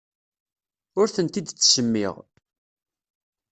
Ur tent-id-ttsemmiɣ.